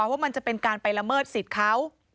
ว่ามันจะเป็นการไปละเมิดสิทธิ์เขา